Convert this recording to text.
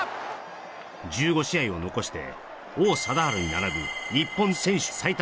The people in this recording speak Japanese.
１５試合を残して王貞治に並ぶ日本選手最多